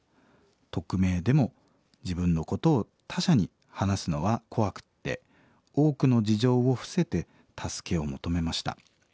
匿名でも自分のことを他者に話すのは怖くて多くの事情を伏せて助けを求めました。